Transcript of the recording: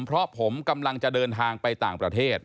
เพราะผมกำลังจะเดินทางไปต่างประเทศ